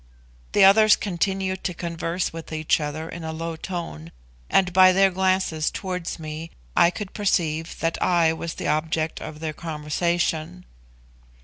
The others continued to converse with each other in a low tone, and by their glances towards me I could perceive that I was the object of their conversation.